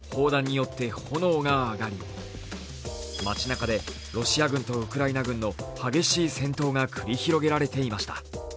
南東部マリウポリで撮影された映像では砲弾によって炎が上がり、街なかでロシア軍とウクライナ軍の激しい戦闘が繰り広げられていました。